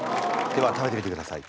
では食べてみてください。